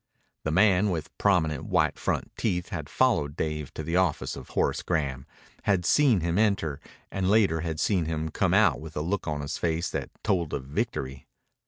A man with prominent white front teeth had followed Dave to the office of Horace Graham, had seen him enter, and later had seen him come out with a look on his face that told of victory.